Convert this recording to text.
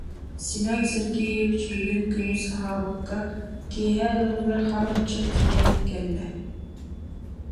Семен Сергеевич бүгүн күнүс аһаабакка, киэһэ ыалыгар хам аччык тиийэн кэллэ